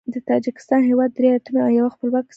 د تاجکستان هیواد درې ایالتونه او یوه خپلواکه سیمه لري.